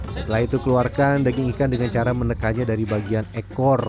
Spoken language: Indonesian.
setelah itu keluarkan daging ikan dengan cara menekannya dari bagian ekor